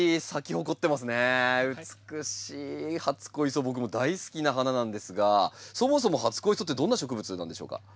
初恋草僕も大好きな花なんですがそもそも初恋草ってどんな植物なんでしょうか？